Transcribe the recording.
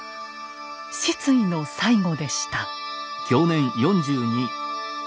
失意の最期でした。